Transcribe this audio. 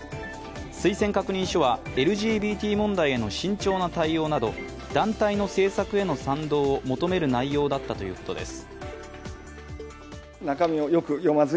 推薦確認書はＬＧＢＴ問題への慎重な対応など団体の政策への賛同を求める内容だったということです。